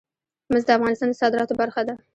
مس د افغانستان د صادراتو برخه ده.